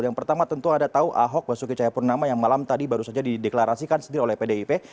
yang pertama tentu ada tahu ahok basuki cahayapurnama yang malam tadi baru saja dideklarasikan sendiri oleh pdip